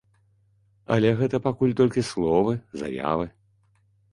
Але гэта пакуль толькі словы, заявы.